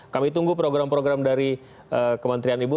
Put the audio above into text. kami tunggu program program dari kementerian ibu